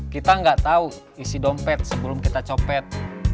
kita gak tau isi dompet sebelum kita copet